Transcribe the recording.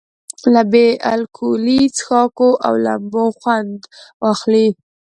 له بې الکولي څښاکونو او لمباوو خوند اخلي.